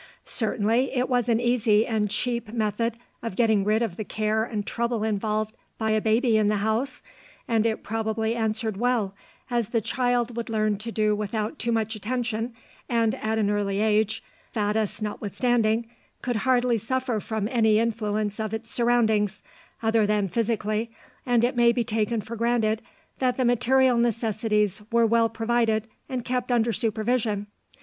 Certainly it was an easy and cheap method of getting rid of the care and trouble involved by a baby in the house, and it probably answered well, as the child would learn to do without too much attention, and at an early age, faddists notwithstanding, could hardly suffer from any influence of its surroundings, other than physically, and it may be taken for granted that the material necessities were well provided and kept under supervision.